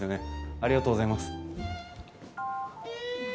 ありがとうございます。